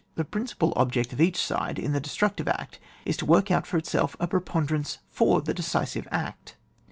The principal object of each side in the destructive act is to w6rk out for itself a preponderance for the decisive act.